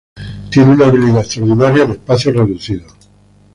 Tiene una habilidad extraordinaria en espacios reducidos.